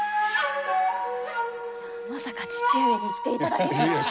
まさか父上に来ていただけるとは。